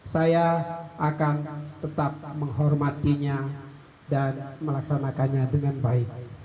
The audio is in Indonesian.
saya akan tetap menghormatinya dan melaksanakannya dengan baik